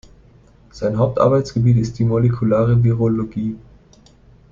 Sein Hauptarbeitsgebiet ist die molekulare Virologie.